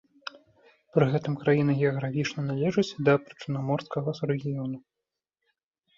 Пры гэтым краіна геаграфічна належыць да прычарнаморскага рэгіёну.